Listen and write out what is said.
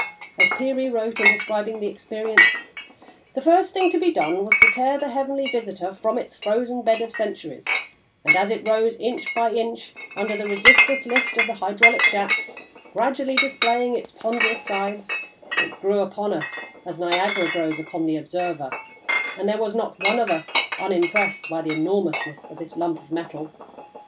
As Peary wrote, in describing the experience: "The first thing to be done was to tear the heavenly visitor from its frozen bed of centuries, and, as it rose inch by inch under the resistless lift of the hydraulic jacks, gradually displaying its ponderous sides, it grew upon us as Niagara grows upon the observer, and there was not one of us unimpressed by the enormousness of this lump of metal.